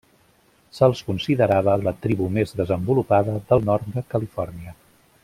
Se’ls considerava la tribu més desenvolupada del Nord de Califòrnia.